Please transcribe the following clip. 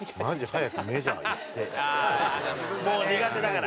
もう苦手だから。